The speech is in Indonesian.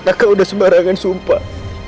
kakak udah sembarangan sumpah